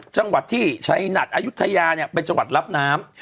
จังหวัดที่ชัยหนักอายุทยาเนี่ยเป็นจังหวัดรับน้ำ